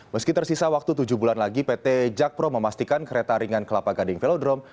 meski tersisa waktu tujuh bulan lagi pt jakpro memastikan kereta ringan kelapa gading velodrome